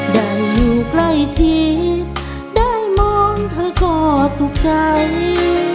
ได้อยู่ใกล้ชิดได้มองเธอก็สุขใจ